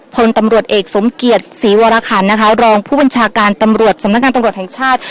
พลตำรวจเอกสมเกียรติศรีวรคันนะคะรองผู้บัญชาการตำรวจสำนักงานตำรวจแห่งชาติ